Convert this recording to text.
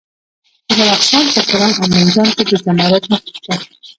د بدخشان په کران او منجان کې د زمرد نښې شته.